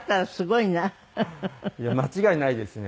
いや間違いないですね。